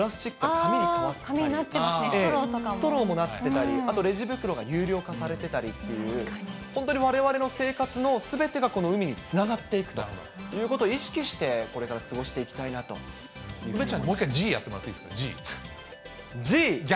紙になってますね、ストローストローもなってたり、あとレジ袋が有料化されてたり、本当にわれわれの生活のすべてがこの海につながっていくということを意識して、これから過ごして梅ちゃん、もう一回Ｇやってもらっていいですか。